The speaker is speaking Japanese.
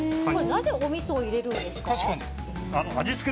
なぜおみそを入れるんですか？